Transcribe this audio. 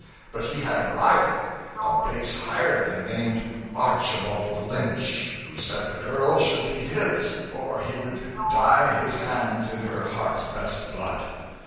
But he had a rival, a 'base hireling' named Archibald Lynch, who said the girl should be his, or he would 'dye his hands in her heart's best blood.'